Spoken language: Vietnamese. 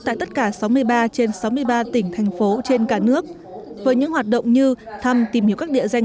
tại tất cả sáu mươi ba trên sáu mươi ba tỉnh thành phố trên cả nước với những hoạt động như thăm tìm hiểu các địa danh